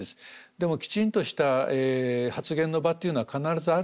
でもきちんとした発言の場というのは必ずあるんですね。